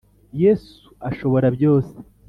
yesu ashobora byose